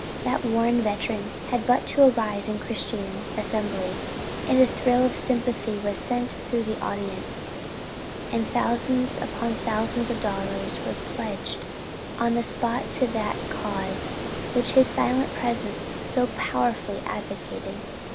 '" That worn veteran had but to arise in a Christian assembly, and a thrill of sympathy was sent through the audience, and thousands upon thousands of dollars were pledged on the spot to that cause which his silent presence so powerfully advocated.